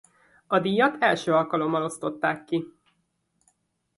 A díjat első alkalommal osztották ki.